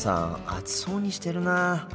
暑そうにしてるな。